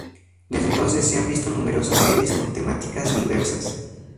Desde entonces se han visto numerosas series con temáticas diversas.